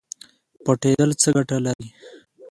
پټیدل څه ګټه لري؟